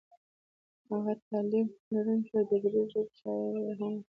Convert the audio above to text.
هغه تعلیم لرونکی او د دري ژبې ښه شاعر هم و.